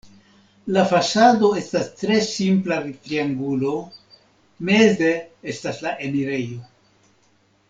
La fasado estas tre simpla triangulo, meze estas la enirejo.